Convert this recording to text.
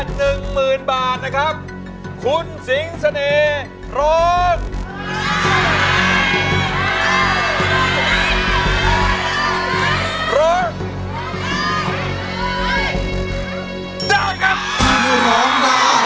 หนึ่งหมื่นหนึ่งหมื่นร้องได้หนึ่งหมื่นร้องได้